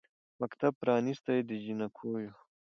مکتب پرانیستی د جینکیو